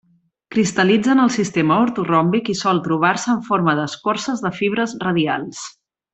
Cristal·litza en el sistema ortoròmbic, i sol trobar-se en forma d'escorces de fibres radials.